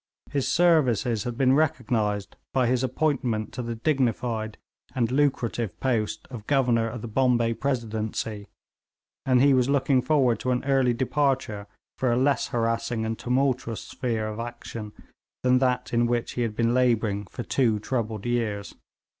His services had been recognised by his appointment to the dignified and lucrative post of Governor of the Bombay Presidency, and he was looking forward to an early departure for a less harassing and tumultuous sphere of action than that in which he had been labouring for two troubled years.